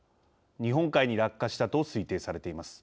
日本海に落下したと推定されています。